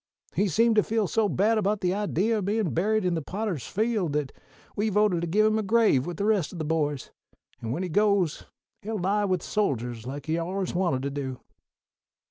He seemed to feel so bad about the idee o' bein' buried in the Potter's Field that we voted to give him a grave with the rest of the boys, and when he goes he'll lie with soldiers, like he's allers wanted to do."